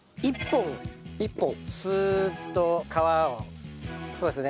１本スーッと皮をそうですね。